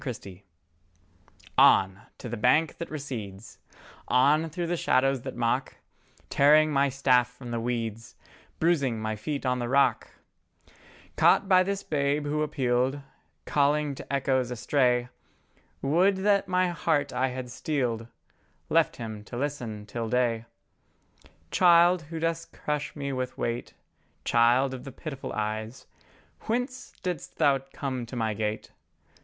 CHRISTOPHER ON to the bank that recedes, On through the shadows that mock, Tearing my staff from the weeds, Bruising my feet on the rock, Caught by this Babe who appealed, Calling to echoes astray; Would that my heart I had steeled, Left Him to listen till day! Child, who dost crush me with weight, Child of the pitiful eyes, Whence didst Thou come to my gate?